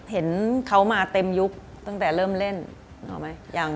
เห็นเขามาเต็มยุคตั้งแต่เริ่มเล่นออกไหม